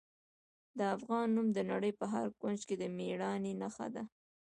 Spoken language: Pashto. د افغان نوم د نړۍ په هر کونج کې د میړانې نښه ده.